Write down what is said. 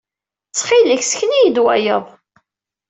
Ttxil-k, ssken-iyi-d wayeḍ.